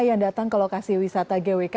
yang datang ke lokasi wisata gwk